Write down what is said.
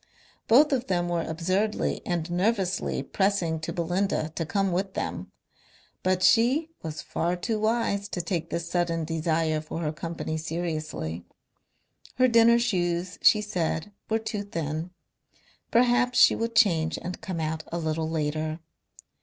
Both of them were absurdly and nervously pressing to Belinda to come with them, but she was far too wise to take this sudden desire for her company seriously. Her dinner shoes, she said, were too thin. Perhaps she would change and come out a little later.